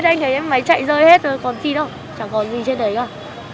mấy máy chạy rơi hết rồi còn gì đâu chẳng còn gì trên đấy đâu